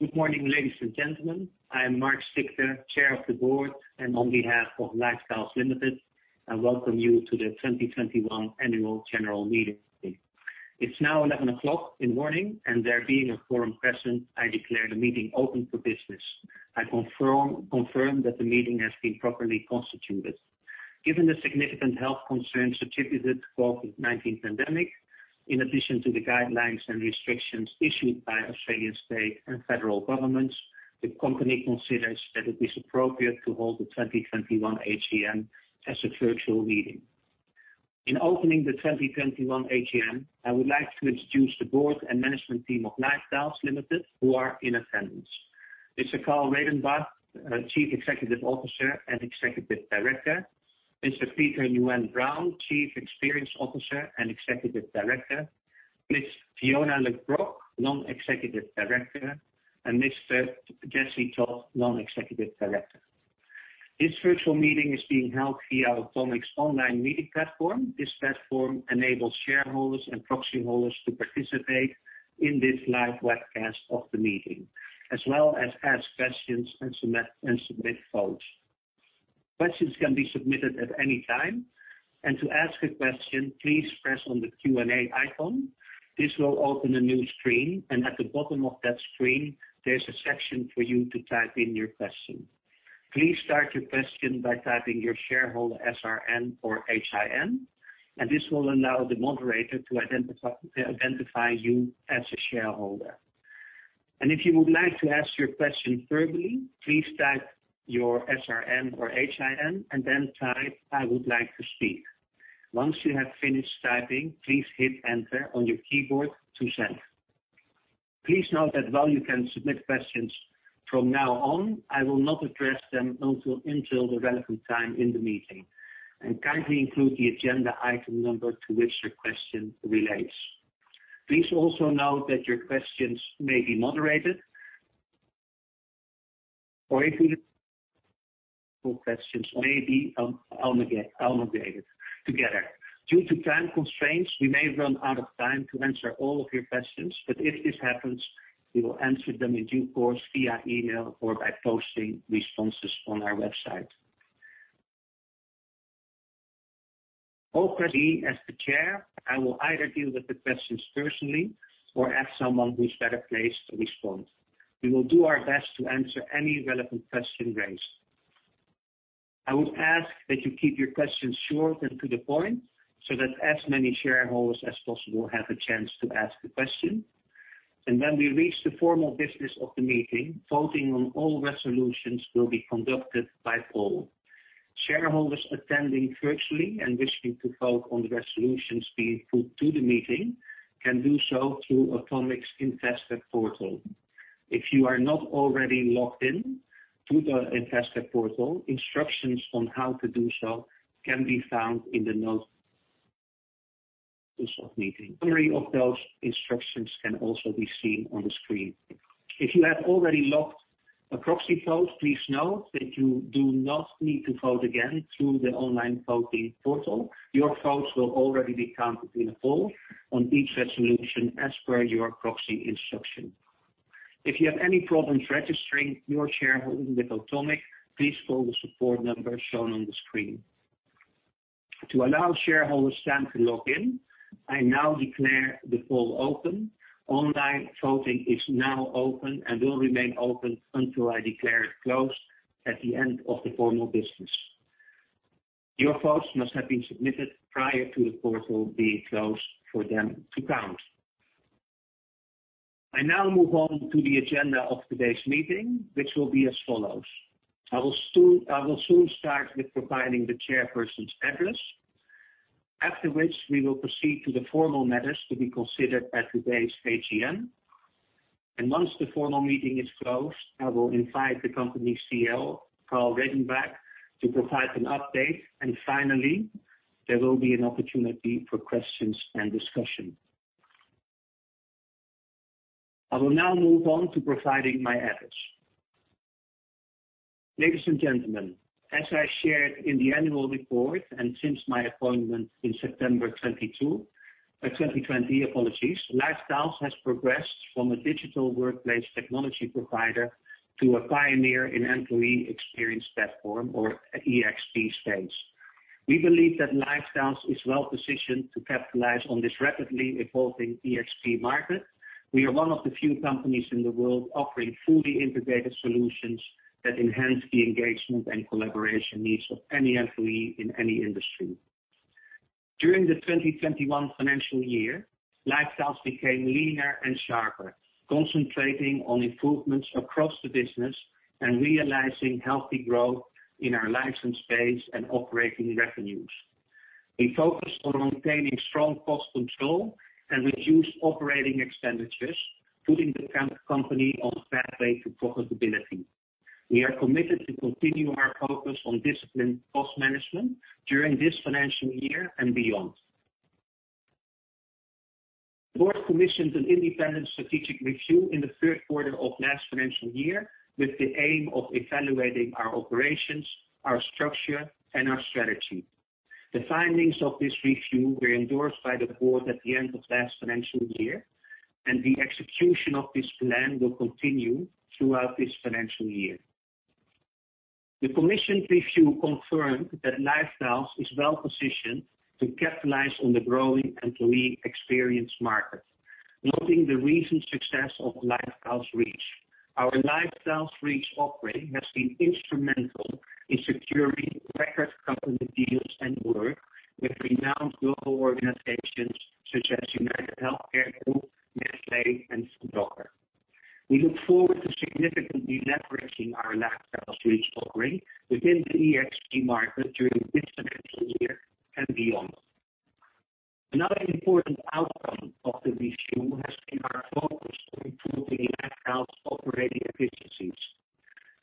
Good morning, ladies and gentlemen. I'm Marc Stigter, Chair of the Board, and on behalf of LiveTiles Limited, I welcome you to the 2021 annual general meeting. It's now eleven o'clock in the morning, and there being a quorum present, I declare the meeting open for business. I confirm that the meeting has been properly constituted. Given the significant health concerns attributed to COVID-19 pandemic, in addition to the guidelines and restrictions issued by Australian state and federal governments, the company considers that it is appropriate to hold the 2021 AGM as a virtual meeting. In opening the 2021 AGM, I would like to introduce the board and management team of LiveTiles Limited who are in attendance. Mr. Karl Redenbach, our Chief Executive Officer and Executive Director, Mr. Peter Nguyen-Brown, Chief Experience Officer and Executive Director, Ms. Fiona Le Brocq, Non-Executive Director, and Mr. Jesse Todd, Non-Executive Director. This virtual meeting is being held via Automic's online meeting platform. This platform enables shareholders and proxy holders to participate in this live webcast of the meeting, as well as ask questions and submit votes. Questions can be submitted at any time, and to ask a question, please press on the Q&A icon. This will open a new screen, and at the bottom of that screen, there's a section for you to type in your question. Please start your question by typing your shareholder SRN or HIN, and this will allow the moderator to identify you as a shareholder. If you would like to ask your question verbally, please type your SRN or HIN and then type, "I would like to speak." Once you have finished typing, please hit Enter on your keyboard to send. Please note that while you can submit questions from now on, I will not address them until the relevant time in the meeting. Kindly include the agenda item number to which your question relates. Please also note that your questions may be moderated. Questions may be aggregated together. Due to time constraints, we may run out of time to answer all of your questions, but if this happens, we will answer them in due course via email or by posting responses on our website. Me, as the chair, I will either deal with the questions personally or ask someone who's better placed to respond. We will do our best to answer any relevant question raised. I would ask that you keep your questions short and to the point, so that as many shareholders as possible have a chance to ask a question. When we reach the formal business of the meeting, voting on all resolutions will be conducted by poll. Shareholders attending virtually and wishing to vote on the resolutions being put to the meeting can do so through Automic's Investor Portal. If you are not already logged in to the Investor Portal, instructions on how to do so can be found in the notice of meeting. Summary of those instructions can also be seen on the screen. If you have already logged a proxy vote, please note that you do not need to vote again through the online voting portal. Your votes will already be counted in a poll on each resolution as per your proxy instruction. If you have any problems registering your shareholding with Automic, please call the support number shown on the screen. To allow shareholders time to log in, I now declare the poll open. Online voting is now open and will remain open until I declare it closed at the end of the formal business. Your votes must have been submitted prior to the portal being closed for them to count. I now move on to the agenda of today's meeting, which will be as follows. I will soon start with providing the chairperson's address. After which, we will proceed to the formal matters to be considered at today's AGM. Once the formal meeting is closed, I will invite the company's CEO, Karl Redenbach, to provide an update. Finally, there will be an opportunity for questions and discussion. I will now move on to providing my address. Ladies and gentlemen, as I shared in the annual report and since my appointment in September 2020, LiveTiles has progressed from a digital workplace technology provider to a pioneer in employee experience platform or EXP space. We believe that LiveTiles is well-positioned to capitalize on this rapidly evolving EXP market. We are one of the few companies in the world offering fully integrated solutions that enhance the engagement and collaboration needs of any employee in any industry. During the 2021 financial year, LiveTiles became leaner and sharper, concentrating on improvements across the business and realizing healthy growth in our licensed space and operating revenues. We focused on maintaining strong cost control and reduced operating expenditures, putting the company on a pathway to profitability. We are committed to continue our focus on disciplined cost management during this financial year and beyond. Board commissioned an independent strategic review in the third quarter of last financial year with the aim of evaluating our operations, our structure, and our strategy. The findings of this review were endorsed by the board at the end of last financial year, and the execution of this plan will continue throughout this financial year. The commissioned review confirmed that LiveTiles is well-positioned to capitalize on the growing employee experience market, noting the recent success of LiveTiles Reach. Our LiveTiles Reach offering has been instrumental in securing record company deals and work with renowned global organizations such as UnitedHealth Group, Nestlé, and Sodexo. We look forward to significantly leveraging our LiveTiles Reach offering within the EXP market during this financial year and beyond. Another important outcome of the review has been our focus on improving LiveTiles' operating efficiencies.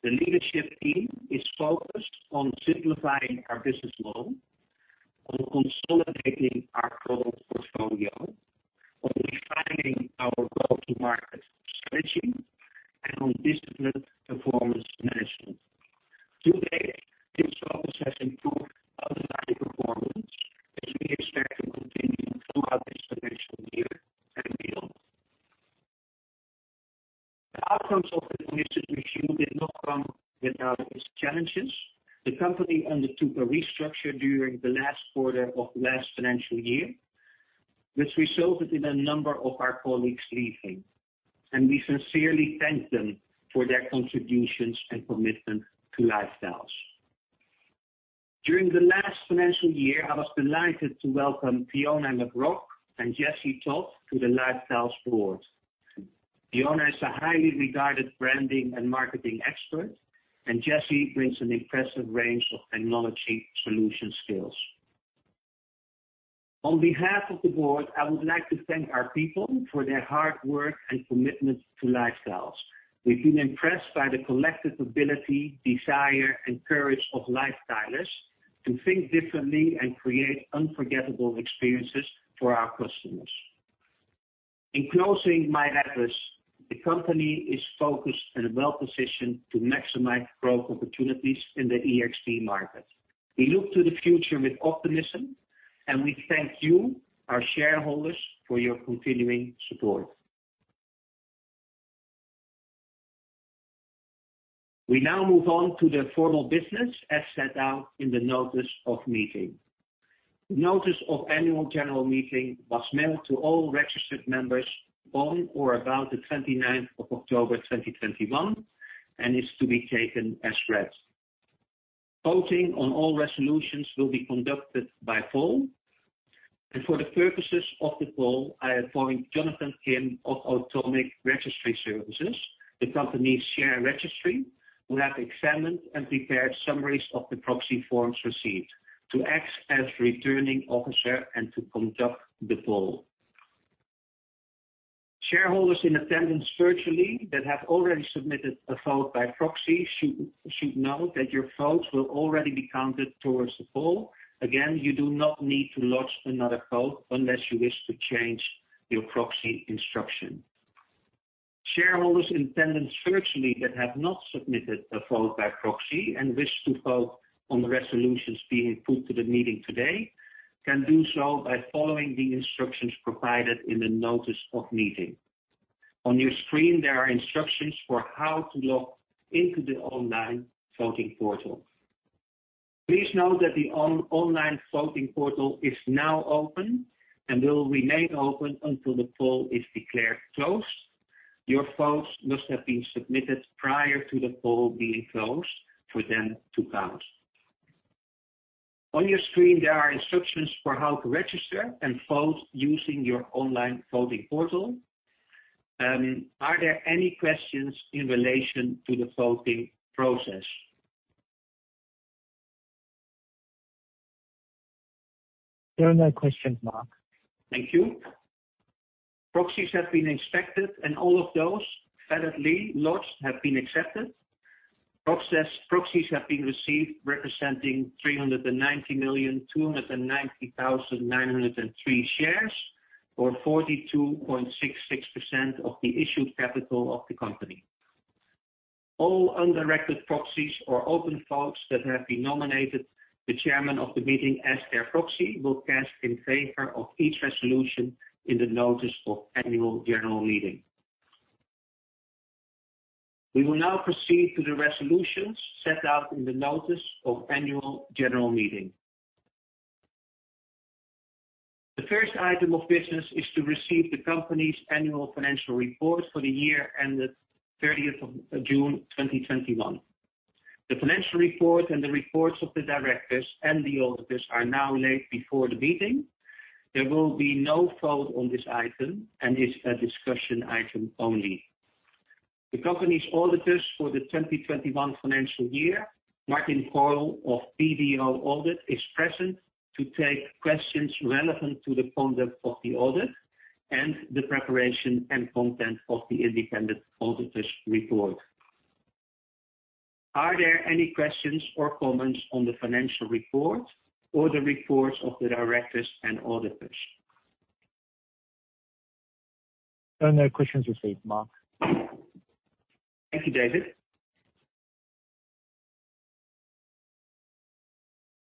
The leadership team is focused on simplifying our business model, on consolidating our product portfolio, on refining our go-to-market strategy, and on disciplined performance management. To date, this focus has improved underlying performance, which we expect to continue throughout this financial year and beyond. The outcomes of the commission review did not come without its challenges. The company undertook a restructure during the last quarter of last financial year, which resulted in a number of our colleagues leaving, and we sincerely thank them for their contributions and commitment to LiveTiles. During the last financial year, I was delighted to welcome Fiona Le Brocq and Jesse Todd to the LiveTiles board. Fiona is a highly regarded branding and marketing expert, and Jesse brings an impressive range of technology solution skills. On behalf of the board, I would like to thank our people for their hard work and commitment to LiveTiles. We've been impressed by the collective ability, desire, and courage of Lifestylers to think differently and create unforgettable experiences for our customers. In closing my address, the company is focused and well-positioned to maximize growth opportunities in the EXP market. We look to the future with optimism, and we thank you, our shareholders, for your continuing support. We now move on to the formal business as set out in the notice of meeting. Notice of Annual General Meeting was mailed to all registered members on or about the 29th of October, 2021, and is to be taken as read. Voting on all resolutions will be conducted by poll, and for the purposes of the poll, I appoint Jonathan Kim of Automic Registry Services, the company's share registry, who have examined and prepared summaries of the proxy forms received to act as returning officer and to conduct the poll. Shareholders in attendance virtually that have already submitted a vote by proxy should note that your votes will already be counted towards the poll. Again, you do not need to lodge another vote unless you wish to change your proxy instruction. Shareholders in attendance virtually that have not submitted a vote by proxy and wish to vote on the resolutions being put to the meeting today can do so by following the instructions provided in the notice of meeting. On your screen, there are instructions for how to log into the online voting portal. Please note that the online voting portal is now open and will remain open until the poll is declared closed. Your votes must have been submitted prior to the poll being closed for them to count. On your screen, there are instructions for how to register and vote using your online voting portal. Are there any questions in relation to the voting process? There are no questions, Marc. Thank you. Proxies have been inspected, and all of those validly lodged have been accepted. Proxies have been received representing 390,290,903 shares, or 42.66% of the issued capital of the company. All undirected proxies or open votes that have been nominated the chairman of the meeting as their proxy will cast in favor of each resolution in the notice of annual general meeting. We will now proceed to the resolutions set out in the notice of annual general meeting. The first item of business is to receive the company's annual financial report for the year ended 30 June 2021. The financial report and the reports of the directors and the auditors are now laid before the meeting. There will be no vote on this item, and it's a discussion item only. The company's auditors for the 2021 financial year, Martin Coyle of BDO Audit Pty Ltd, is present to take questions relevant to the conduct of the audit and the preparation and content of the independent auditor's report. Are there any questions or comments on the financial report or the reports of the directors and auditors? Oh, no questions received, Marc. Thank you, David.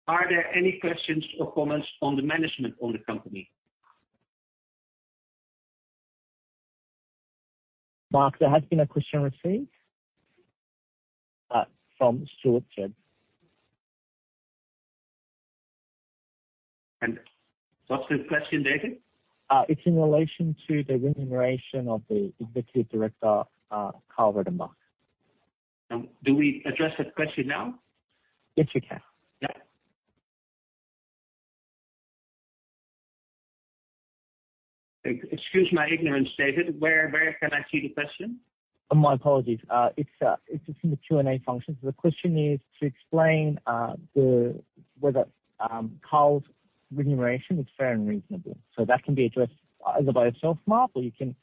Are there any questions or comments on the management of the company? Marc, there has been a question received from Stuart Jed. What's the question, David? It's in relation to the remuneration of the Executive Director, Karl Redenbach. Do we address that question now? Yes, you can. Yeah. Excuse my ignorance, David. Where can I see the question? My apologies. It's in the Q&A function. The question is to explain whether Karl's remuneration is fair and reasonable. That can be addressed either by yourself, Marc, or you can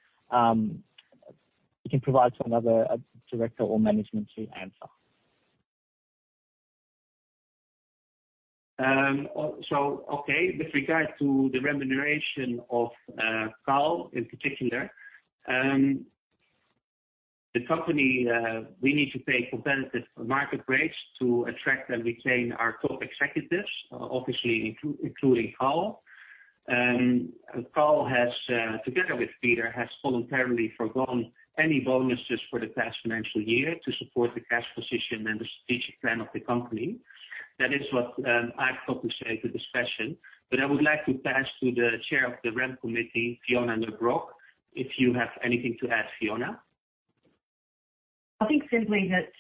provide to another director or management to answer. Okay, with regard to the remuneration of Karl in particular, the company, we need to pay competitive market rates to attract and retain our top executives, obviously, including Karl. Karl has, together with Peter, voluntarily forgone any bonuses for the past financial year to support the cash position and the strategic plan of the company. That is what I've got to say to this question. I would like to pass to the chair of the Rem Committee, Fiona Le Brocq. If you have anything to add, Fiona. I think simply that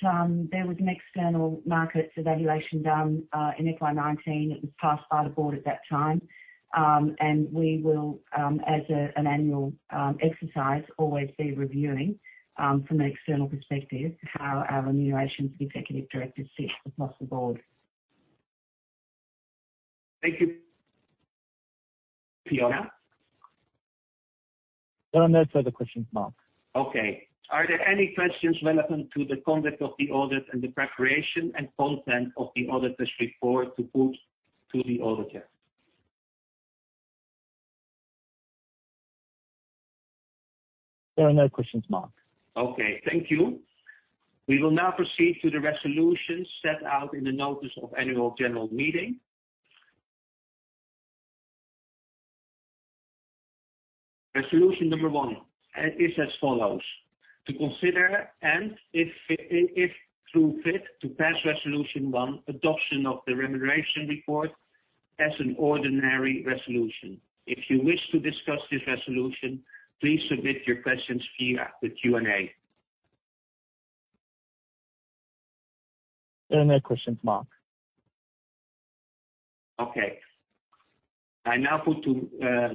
there was an external market evaluation done in FY 2019. It was passed by the board at that time. We will as an annual exercise always be reviewing from an external perspective how our remunerations of executive directors sit across the board. Thank you, Fiona. There are no further questions, Marc. Okay. Are there any questions relevant to the conduct of the audit and the preparation and content of the auditor's report to put to the auditor? There are no questions, Marc. Okay, thank you. We will now proceed to the resolutions set out in the notice of Annual General Meeting. Resolution number one is as follows: To consider, and if thought fit to pass resolution one, adoption of the remuneration report as an ordinary resolution. If you wish to discuss this resolution, please submit your questions via the Q&A. There are no questions, Marc. Okay. I now put the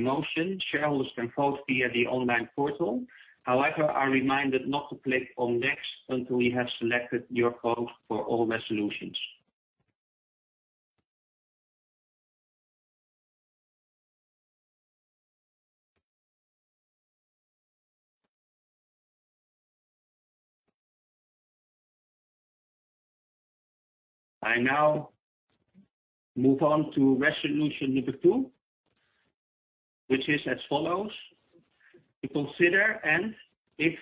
motion. Shareholders can vote via the online portal. However, you are reminded not to click on Next until you have selected your vote for all resolutions. I now move on to resolution number two, which is as follows: To consider, and if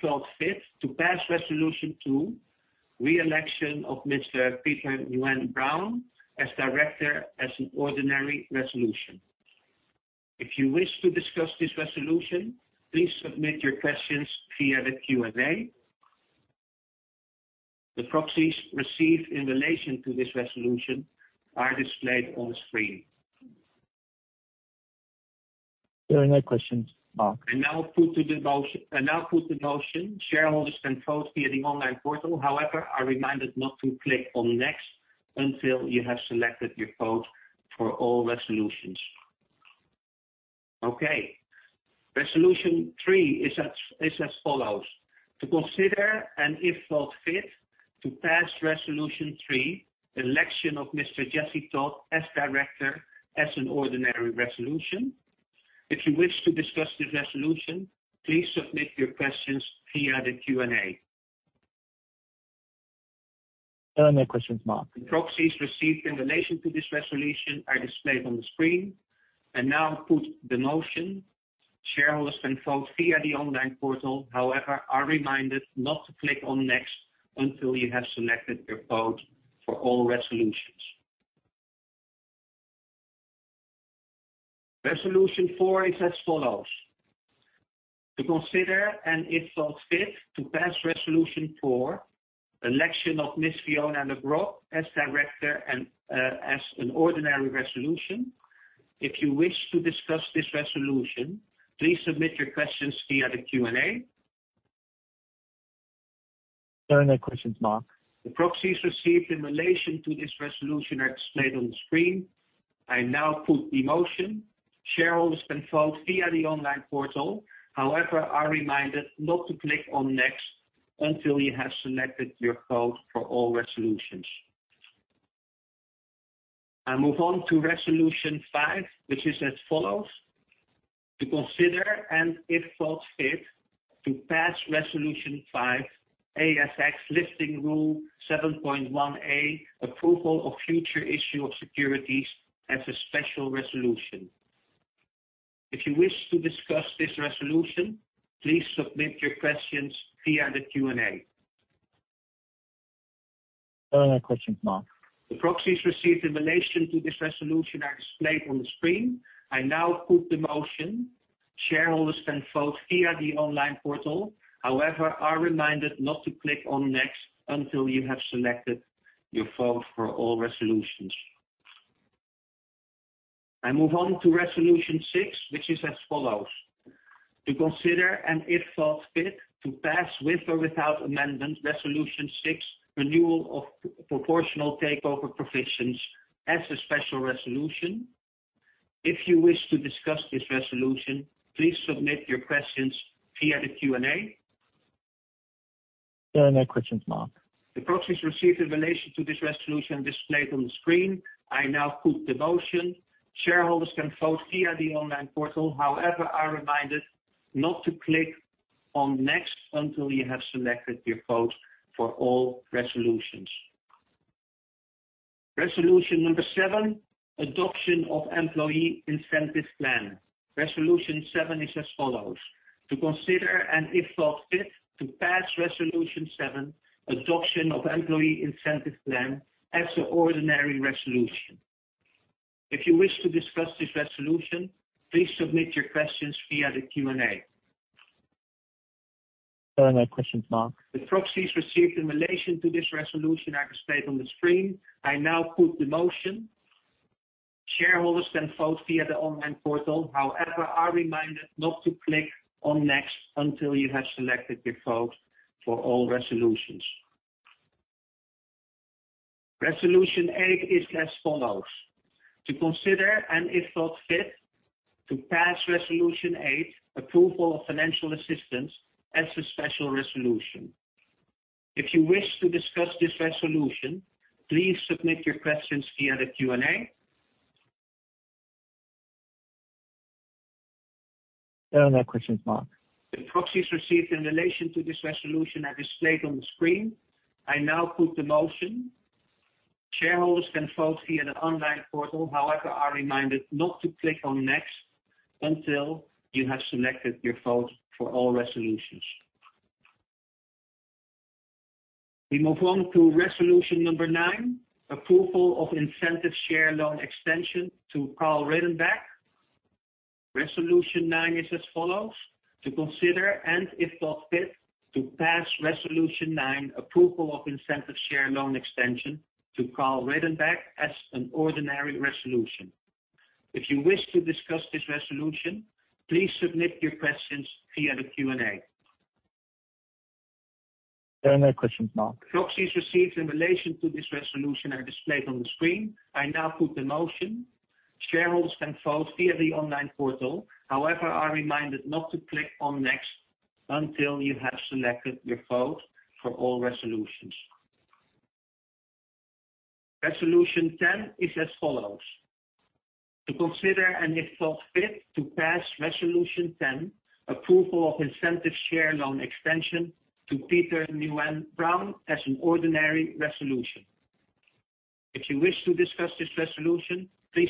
thought fit, to pass resolution two, re-election of Mr. Peter Nguyen-Brown as director as an ordinary resolution. If you wish to discuss this resolution, please submit your questions via the Q&A. The proxies received in relation to this resolution are displayed on the screen. There are no questions, Marc. I now put the motion. Shareholders can vote via the online portal. However, you are reminded not to click on Next until you have selected your vote for all resolutions. Okay. Resolution three is as follows: To consider, and if thought fit, to pass resolution three, election of Mr. Jesse Todd as director, as an ordinary resolution. If you wish to discuss this resolution, please submit your questions via the Q&A. There are no questions, Marc. Proxies received in relation to this resolution are displayed on the screen. I now put the motion. Shareholders can vote via the online portal. However, shareholders are reminded not to click on Next until you have selected your vote for all resolutions. Resolution four is as follows: To consider, and if thought fit, to pass resolution four, election of Miss Fiona Le Brocq as director and as an ordinary resolution. If you wish to discuss this resolution, please submit your questions via the Q&A. There are no questions, Marc. The proxies received in relation to this resolution are displayed on the screen. I now put the motion. Shareholders can vote via the online portal. However, shareholders are reminded not to click on Next until you have selected your vote for all resolutions. I move on to resolution five, which is as follows: To consider, and if thought fit, to pass Resolution five, however, are reminded not to click on Next until you have selected your vote for all resolutions. That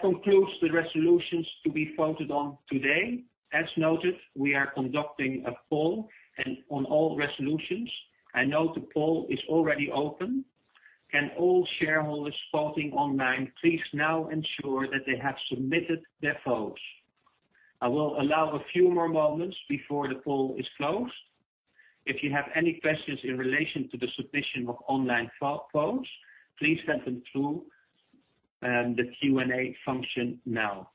concludes the resolutions to be voted on today. As noted, we are conducting a poll on all resolutions. I note the poll is already open. Can all shareholders voting online please now ensure that they have submitted their votes? I will allow a few more moments before the poll is closed. If you have any questions in relation to the submission of online votes, please send them through the Q&A function now.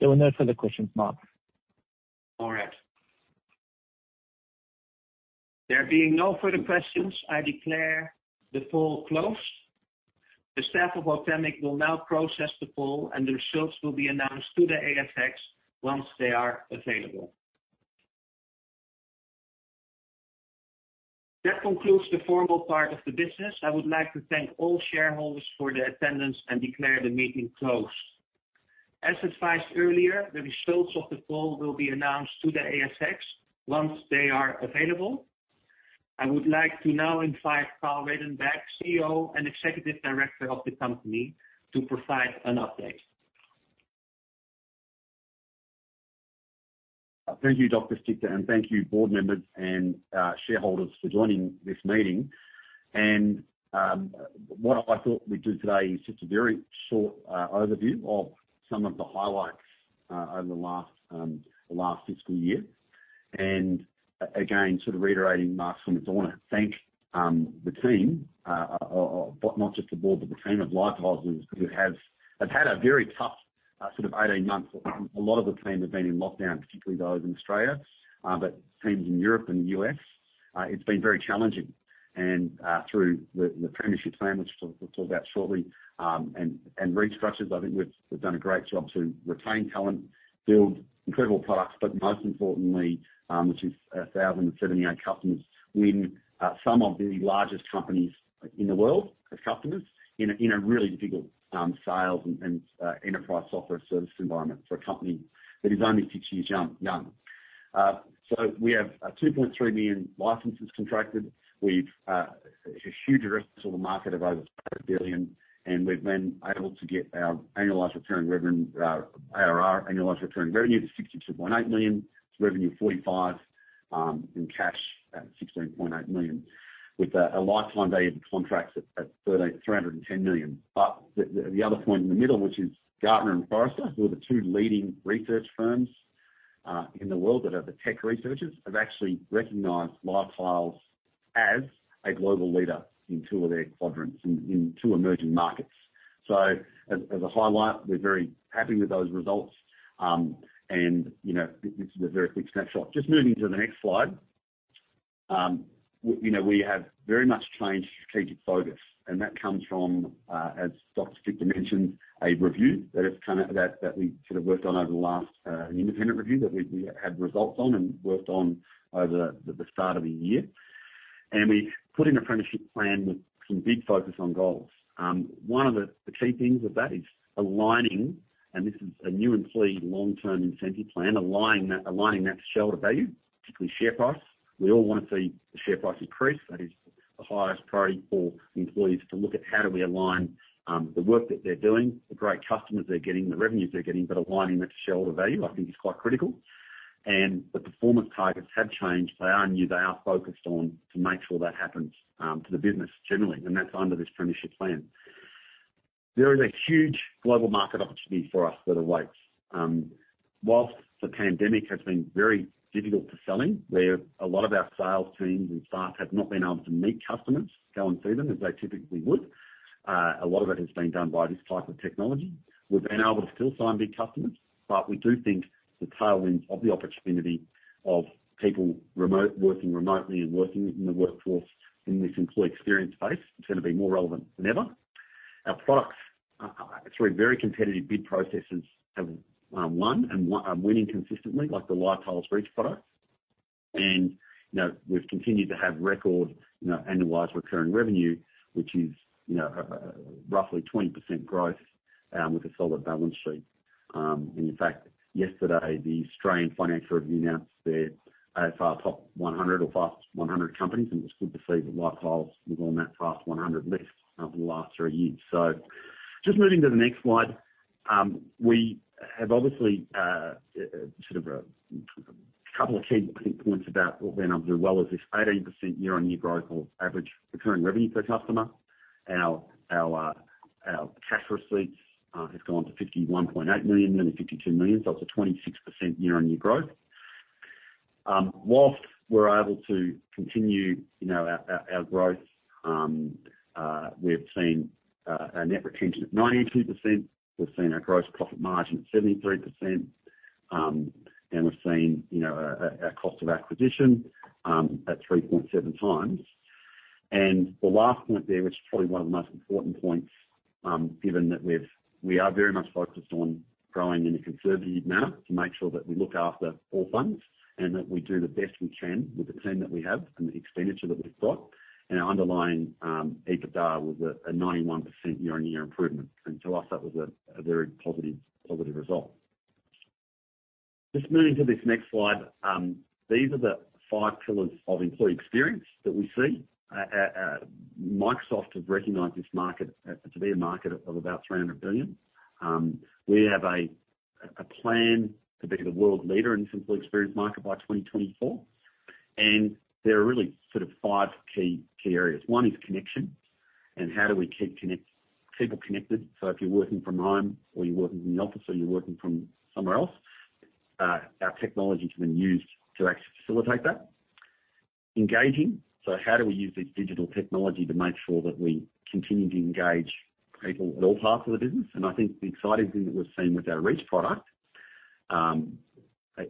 There are no further questions, Marc. All right. There being no further questions, I declare the poll closed. The staff of Automic will now process the poll, and the results will be announced to the ASX once they are available. That concludes the formal part of the business. I would like to thank all shareholders for their attendance and declare the meeting closed. As advised earlier, the results of the poll will be announced to the ASX once they are available. I would like to now invite Karl Redenbach, CEO and Executive Director of the company, to provide an update. Thank you, Dr. Stigter, and thank you board members and shareholders for joining this meeting. What I thought we'd do today is just a very short overview of some of the highlights over the last fiscal year. Again, sort of reiterating Marc's summary is, I want to thank the team, but not just the board, but the team of LiveTiles who have had a very tough sort of 18 months. A lot of the team have been in lockdown, particularly those in Australia, but teams in Europe and the U.S., it's been very challenging. Through the uncertain, which we'll talk about shortly, and restructures, I think we've done a great job to retain talent, build incredible products, but most importantly, which is 1,078 customers, win some of the largest companies in the world as customers in a really difficult sales and SaaS environment for a company that is only six years young. We have 2.3 million licenses contracted. We have a huge addressable market of over 1 billion, and we've been able to get our annualized recurring revenue, ARR, annualized recurring revenue to 62.8 million, revenue 45 million, and cash at 16.8 million. With a lifetime value of the contracts at 310 million. The other point in the middle, which is Gartner and Forrester, who are the two leading research firms in the world that are the tech researchers, have actually recognized LiveTiles as a global leader in two of their quadrants in two emerging markets. As a highlight, we're very happy with those results. You know, it's a very quick snapshot. Just moving to the next slide. You know, we have very much changed strategic focus, and that comes from, as Dr. Stigter mentioned, a review that we sort of worked on over the last, an independent review that we had results on and worked on over the start of the year. We put an apprenticeship plan with some big focus on goals. One of the key things with that is aligning, and this is a new employee long-term incentive plan, aligning that shareholder value, particularly share price. We all wanna see the share price increase. That is the highest priority for employees to look at how do we align the work that they're doing, the great customers they're getting, the revenues they're getting, but aligning that shareholder value I think is quite critical. The performance targets have changed. They are new. They are focused on to make sure that happens to the business generally, and that's under this apprenticeship plan. There is a huge global market opportunity for us that awaits. While the pandemic has been very difficult for selling, where a lot of our sales teams and staff have not been able to meet customers, go and see them as they typically would, a lot of it has been done by this type of technology. We've been able to still sign big customers, but we do think the tail end of the opportunity of people working remotely and working in the workforce in this employee experience space is gonna be more relevant than ever. Our products through very competitive bid processes have won and are winning consistently, like the LiveTiles Reach product. You know, we've continued to have record, you know, annualized recurring revenue, which is, you know, roughly 20% growth, with a solid balance sheet. In fact, yesterday, the Australian Financial Review announced their AFR Top 100 or Fast 100 companies, and it's good to see that LiveTiles was on that Fast 100 list over the last three years. Just moving to the next slide. We have obviously, sort of a couple of key points about what we've been able to do well is this 18% year-on-year growth in average recurring revenue per customer. Our cash receipts have gone to 51.8 million, nearly 52 million, so that's a 26% year-on-year growth. While we're able to continue, you know, our growth, we've seen our net retention at 92%. We've seen our gross profit margin at 73%. We've seen, you know, our cost of acquisition at 3.7x. The last point there, which is probably one of the most important points, given that we are very much focused on growing in a conservative manner to make sure that we look after all fronts and that we do the best we can with the team that we have and the expenditure that we've got. Our underlying EBITDA was a 91% year-on-year improvement. To us, that was a very positive result. Just moving to this next slide. These are the five pillars of employee experience that we see. Microsoft has recognized this market to be a market of about $300 billion. We have a plan to be the world leader in the employee experience market by 2024. There are really sort of five key areas. One is connection, and how do we keep people connected? If you're working from home or you're working from the office or you're working from somewhere else, our technology can be used to actually facilitate that. Engaging. How do we use this digital technology to make sure that we continue to engage people at all parts of the business? I think the exciting thing that we've seen with our Reach product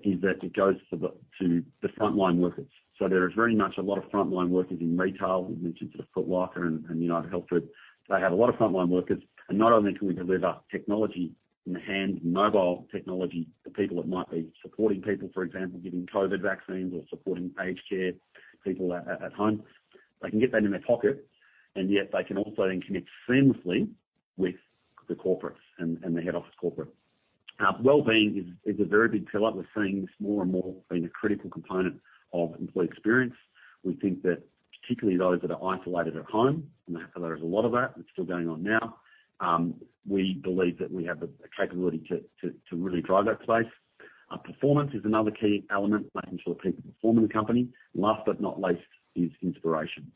is that it goes to the frontline workers. There is very much a lot of frontline workers in retail. We mentioned sort of Foot Locker and UnitedHealth Group. They have a lot of frontline workers. Not only can we deliver technology in the hand, mobile technology to people that might be supporting people, for example, giving COVID vaccines or supporting aged care people at home. They can get that in their pocket, and yet they can also then connect seamlessly with the corporates and the head office corporate. Wellbeing is a very big pillar. We're seeing this more and more being a critical component of employee experience. We think that particularly those that are isolated at home, and there is a lot of that, it's still going on now, we believe that we have a capability to really drive that space. Performance is another key element, making sure people perform in the company. Last but not least is inspiration.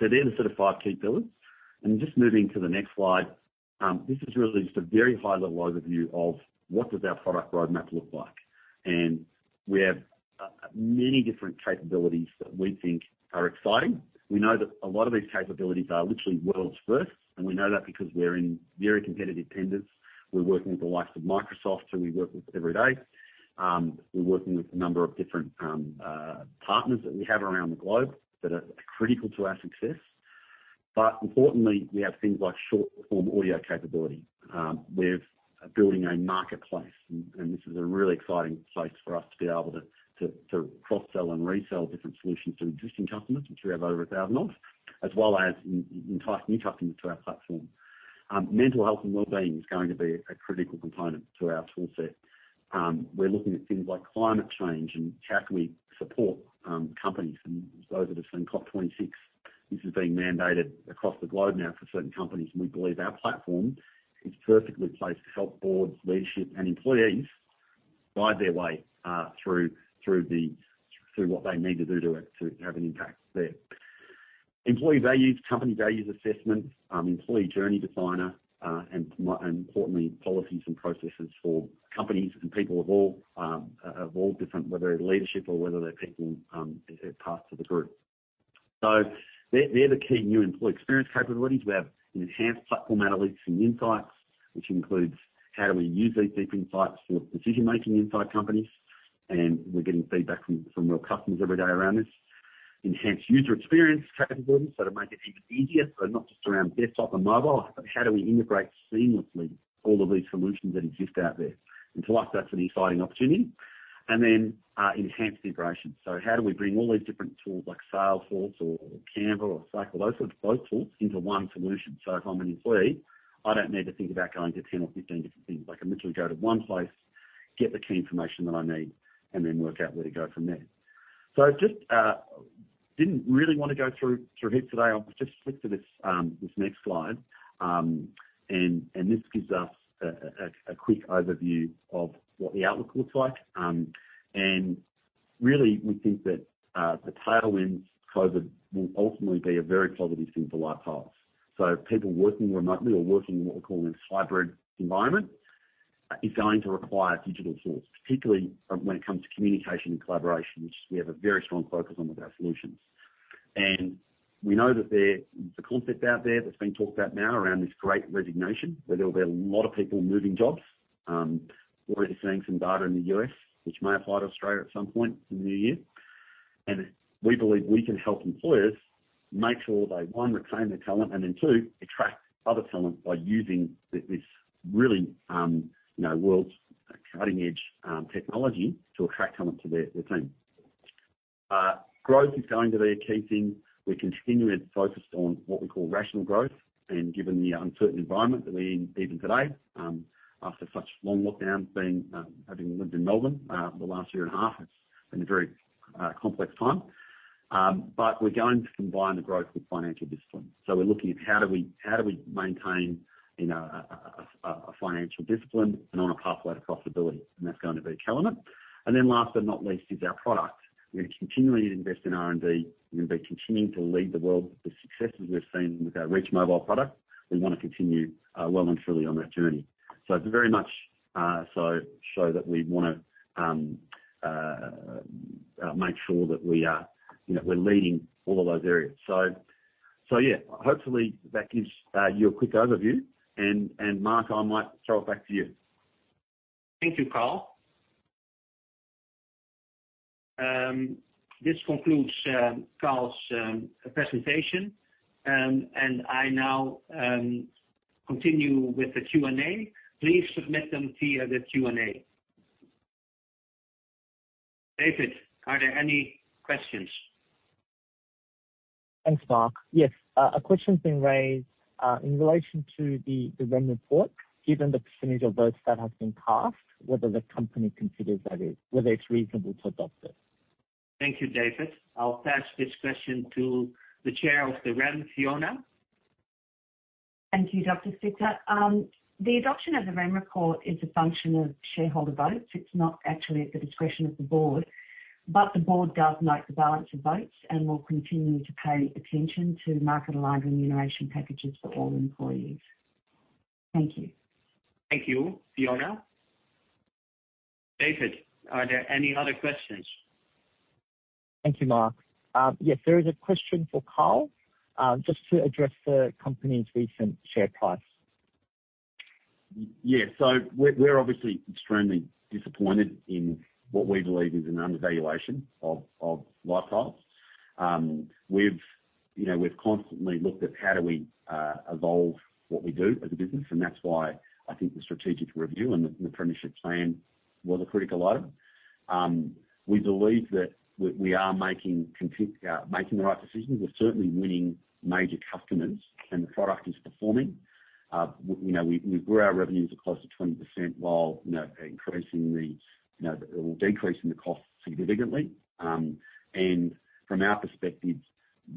So they're the sort of five key pillars. Just moving to the next slide, this is really just a very high-level overview of what does our product roadmap look like. We have many different capabilities that we think are exciting. We know that a lot of these capabilities are literally world's first, and we know that because we're in very competitive tenders. We're working with the likes of Microsoft, who we work with every day. We're working with a number of different partners that we have around the globe that are critical to our success. Importantly, we have things like short-form audio capability. We're building a marketplace and this is a really exciting space for us to be able to cross-sell and resell different solutions to existing customers, which we have over 1,000 of, as well as entice new customers to our platform. Mental health and well-being is going to be a critical component to our toolset. We're looking at things like climate change and how can we support companies. Those that have seen COP26, this is being mandated across the globe now for certain companies, and we believe our platform is perfectly placed to help boards, leadership, and employees ride their way through what they need to do to it to have an impact there. Employee values, company values assessment, employee journey designer, and importantly, policies and processes for companies and people of all different, whether they're leadership or whether they're people part of the group. They're the key new employee experience capabilities. We have enhanced platform analytics and insights, which includes how do we use these deep insights for decision-making inside companies, and we're getting feedback from real customers every day around this. Enhanced user experience capabilities, to make it even easier, but not just around desktop and mobile, but how do we integrate seamlessly all of these solutions that exist out there? To us, that's an exciting opportunity. Enhanced integration. How do we bring all these different tools like Salesforce or Canva or uncertain, those tools into one solution? If I'm an employee, I don't need to think about going to 10 or 15 different things. I can literally go to one place, get the key information that I need, and then work out where to go from there. I didn't really wanna go through here today. I'll just flick to this next slide. This gives us a quick overview of what the outlook looks like. Really, we think that the tailwinds COVID will ultimately be a very positive thing for LiveTiles. People working remotely or working in what we call a hybrid environment is going to require digital tools, particularly when it comes to communication and collaboration, which we have a very strong focus on with our solutions. We know that there's a concept out there that's being talked about now around this Great Resignation, where there will be a lot of people moving jobs. We're already seeing some data in the U.S., which may apply to Australia at some point in the new year. We believe we can help employers make sure they, one, retain their talent, and then two, attract other talent by using this really, you know, world's cutting-edge technology to attract talent to their team. Growth is going to be a key thing. We're continuing to focus on what we call rational growth and given the uncertain environment that we're in even today, after such long lockdowns, having lived in Melbourne, the last year and a half, it's been a very complex time. We're going to combine the growth with financial discipline. We're looking at how do we maintain, you know, a financial discipline and on a pathway to profitability, and that's gonna be a key element. Then last but not least is our product. We're continually invest in R&D. We're gonna be continuing to lead the world with the successes we've seen with our Reach Mobile product. We wanna continue, well and truly on that journey. It's very much to show that we wanna make sure that we are, you know, we're leading all of those areas. Yeah, hopefully that gives you a quick overview. Marc, I might throw it back to you. Thank you, Karl. This concludes Karl's presentation, and I now continue with the Q&A. Please submit them via the Q&A. David, are there any questions? Thanks, Marc. Yes. A question's been raised in relation to the REM report, given the percentage of votes that have been passed, whether it's reasonable to adopt it. Thank you, David. I'll pass this question to the Chair of the REM, Fiona. Thank you, Dr. Stigter. The adoption of the REM report is a function of shareholder votes. It's not actually at the discretion of the board, but the board does note the balance of votes and will continue to pay attention to market-aligned remuneration packages for all employees. Thank you. Thank you, Fiona. David, are there any other questions? Thank you, Marc. Yes, there is a question for Karl, just to address the company's recent share price. We're obviously extremely disappointed in what we believe is an undervaluation of LiveTiles. We've, you know, we've constantly looked at how do we evolve what we do as a business, and that's why I think the strategic review and the apprenticeship plan was a critical item. We believe that we are making the right decisions. We're certainly winning major customers, and the product is performing. You know, we grew our revenues across to 20% while, you know, decreasing the cost significantly. From our perspective,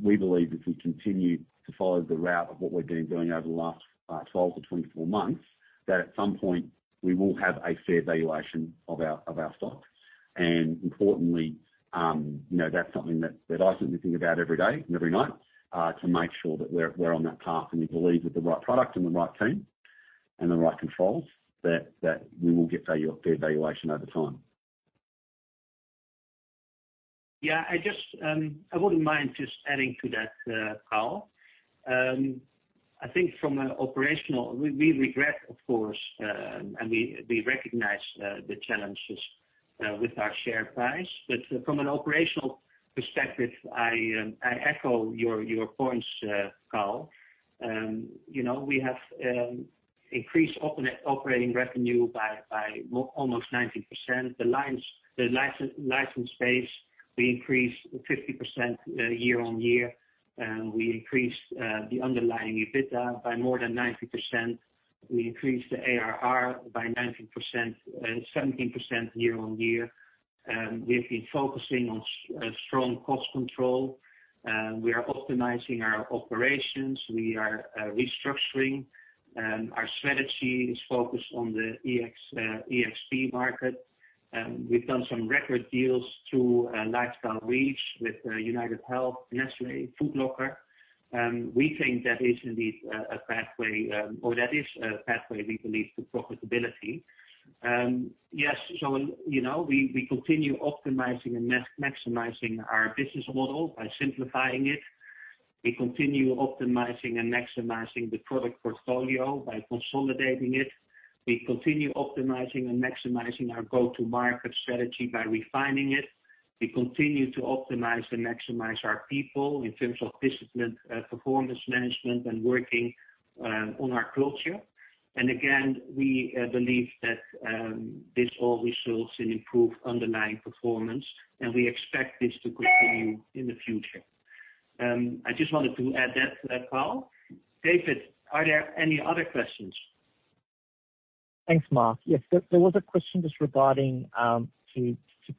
we believe if we continue to follow the route of what we've been doing over the last 12-24 months, that at some point we will have a fair valuation of our stock. Importantly, you know, that's something that I certainly think about every day and every night to make sure that we're on that path. We believe with the right product and the right team and the right controls that we will get value, fair valuation over time. Yeah. I just I wouldn't mind just adding to that, Karl. I think we regret of course, and we recognize the challenges with our share price. From an operational perspective, I echo your points, Karl. You know, we have increased operating revenue by almost 90%. The license base we increased 50% year-over-year. We increased the underlying EBITDA by more than 90%. We increased the ARR by 19%, 17% year-over-year. We've been focusing on strong cost control. We are optimizing our operations. We are restructuring. Our strategy is focused on the EXP market. We've done some record deals through LiveTiles Reach with UnitedHealth, Nestlé, Foot Locker. We think that is indeed a pathway, or that is a pathway we believe to profitability. You know, we continue optimizing and maximizing our business model by simplifying it. We continue optimizing and maximizing the product portfolio by consolidating it. We continue optimizing and maximizing our go-to-market strategy by refining it. We continue to optimize and maximize our people in terms of discipline, performance management, and working on our culture. Again, we believe that this all results in improved underlying performance, and we expect this to continue in the future. I just wanted to add that to that, Carl. David, are there any other questions? Thanks, Marc. Yes. There was a question just regarding to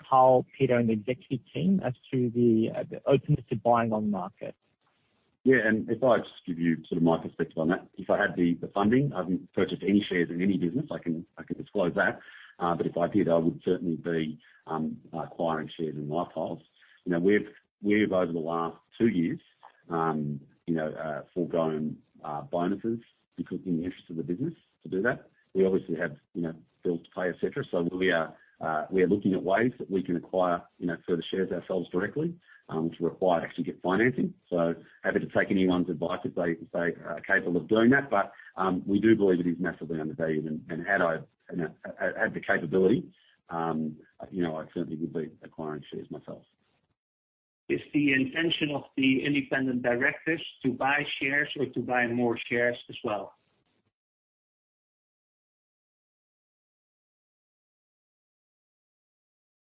Karl, Peter, and the executive team as to the openness to buying on the market. If I just give you sort of my perspective on that. If I had the funding, I haven't purchased any shares in any business, I can disclose that. If I did, I would certainly be acquiring shares in LifeOS. You know, we've over the last two years foregone bonuses because in the interest of the business to do that. We obviously have you know, bills to pay, et cetera. We are looking at ways that we can acquire you know, further shares ourselves directly, which require to actually get financing. Happy to take anyone's advice if they are capable of doing that. We do believe it is massively undervalued. had I, you know, had the capability, you know, I certainly would be acquiring shares myself. It's the intention of the independent directors to buy shares or to buy more shares as well.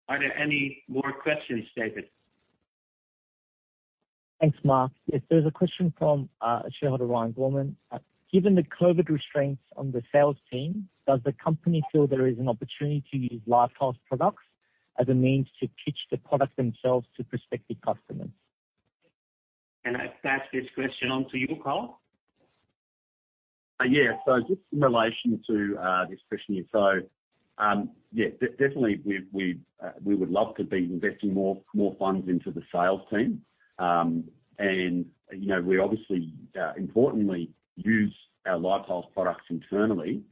Are there any more questions, David? Thanks, Marc. Yes, there's a question from shareholder Ryan Gorman. Given the COVID restraints on the sales team, does the company feel there is an opportunity to use LifeOS products as a means to pitch the product themselves to prospective customers? Can I pass this question on to you, Karl? Yeah. Just in relation to this question here. Yeah, definitely, we would love to be investing more funds into the sales team. You know, we obviously importantly use our LifeOS products internally.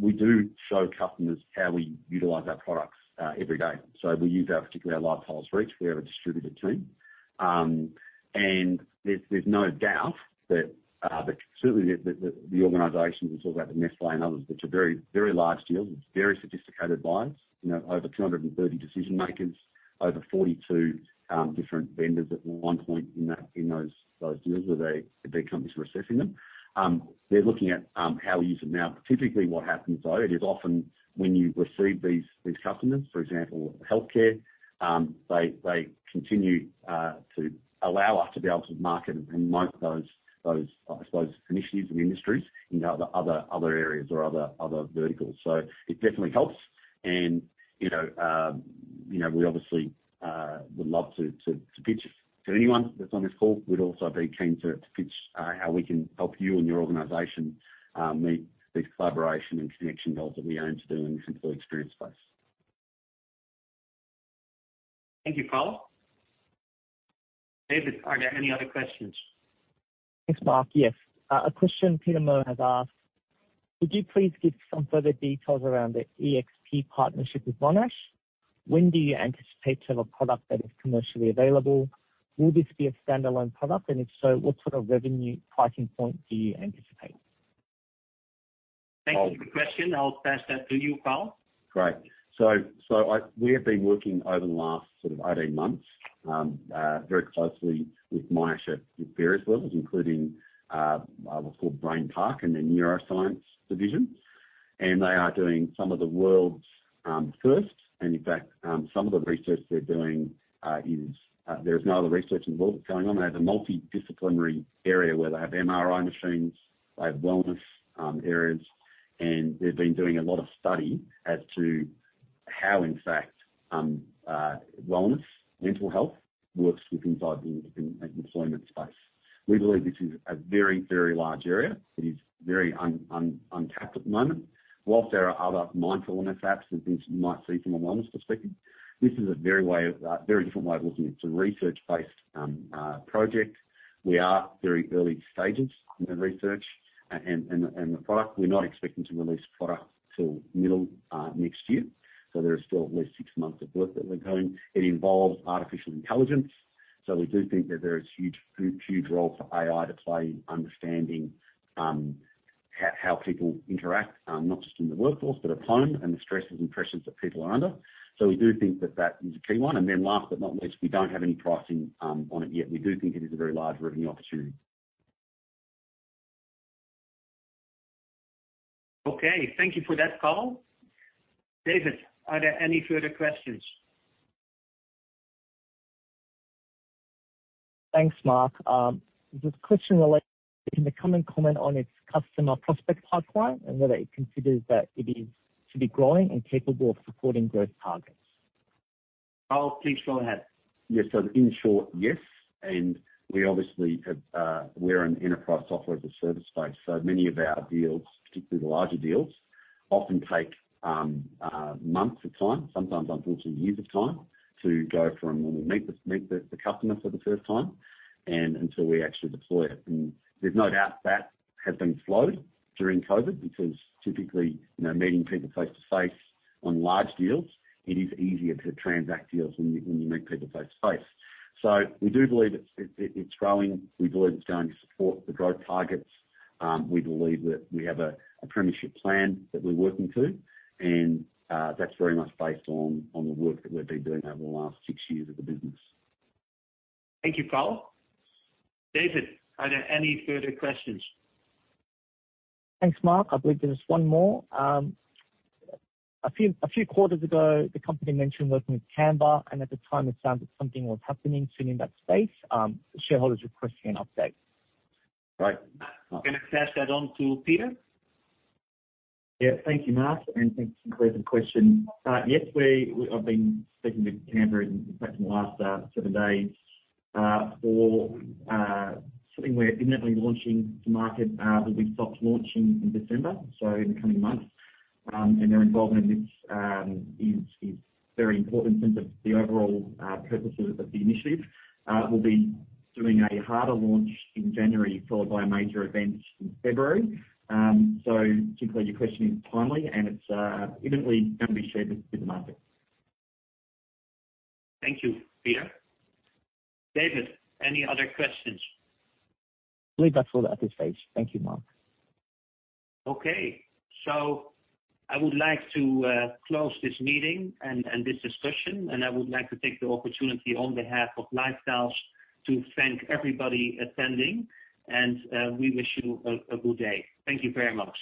We do show customers how we utilize our products every day. We use our, particularly our LifeOS Reach. We have a distributor team. There's no doubt that certainly the organization we talk about the Nestlé and others, which are very large deals with very sophisticated buyers. You know, over 230 decision makers, over 42 different vendors at one point in those deals where the big companies were assessing them. They're looking at how we use them. Now, typically what happens though is often when you receive these customers, for example, healthcare, they continue to allow us to be able to market those, I suppose initiatives and industries into other areas or other verticals. It definitely helps. You know, you know, we obviously would love to pitch to anyone that's on this call. We'd also be keen to pitch how we can help you and your organization meet these collaboration and connection goals that we aim to do in the simple experience space. Thank you, Karl. David, are there any other questions? Thanks, Marc. Yes. A question Peter Moore has asked. Could you please give some further details around the EXP partnership with Monash? When do you anticipate to have a product that is commercially available? Will this be a standalone product? And if so, what sort of revenue pricing point do you anticipate? Thank you for the question. I'll pass that to you, Karl. Great. We have been working over the last sort of 18 months very closely with Monash at various levels, including what's called BrainPark and the neuroscience division. They are doing some of the world's firsts. In fact, some of the research they're doing is, there's no other research in the world that's going on. They have a multidisciplinary area where they have MRI machines, they have wellness areas. They've been doing a lot of study as to how in fact wellness, mental health works within the employment space. We believe this is a very, very large area. It is very untapped at the moment. While there are other mindfulness apps and things you might see from a wellness perspective, this is a very different way of looking. It's a research-based project. We are very early stages in the research and the product. We're not expecting to release product till middle next year. There is still at least six months of work that we're doing. It involves artificial intelligence, so we do think that there is huge role for AI to play in understanding how people interact not just in the workforce, but at home, and the stresses and pressures that people are under. We do think that that is a key one. Last but not least, we don't have any pricing on it yet. We do think it is a very large revenue opportunity. Okay. Thank you for that, Karl. David, are there any further questions? Thanks, Mark. There's a question relating, can the company comment on its customer prospect pipeline and whether it considers that it is to be growing and capable of supporting growth targets? Karl, please go ahead. Yes. In short, yes. We obviously have. We're an enterprise software as a service space. So many of our deals, particularly the larger deals, often take months of time, sometimes unfortunately years of time, to go from when we meet the customer for the first time and until we actually deploy it. There's no doubt that has been slowed during COVID because typically, you know, meeting people face-to-face on large deals, it is easier to transact deals when you meet people face-to-face. So we do believe it's growing. We believe it's going to support the growth targets. We believe that we have a apprenticeship plan that we're working to. That's very much based on the work that we've been doing over the last six years of the business. Thank you, Karl. David, are there any further questions? Thanks, Marc. I believe there is one more. A few quarters ago, the company mentioned working with Canva, and at the time it sounded something was happening soon in that space. The shareholder's requesting an update. Right. Gonna pass that on to Peter. Yeah. Thank you, Marc. Thanks for a clear question. Yes, we have been speaking with Canva in fact in the last seven days for something we're imminently launching to market that we soft launched in December, so in the coming months. Their involvement in this is very important in terms of the overall purposes of the initiative. We'll be doing a harder launch in January, followed by a major event in February. Typically your question is timely and it's imminently gonna be shared with the market. Thank you, Peter. David, any other questions? I believe that's all at this stage. Thank you, Marc. Okay. I would like to close this meeting and this discussion, and I would like to take the opportunity on behalf of LiveTiles to thank everybody attending. We wish you a good day. Thank you very much.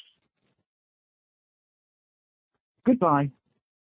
Goodbye.